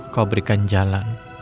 kau berikan jalan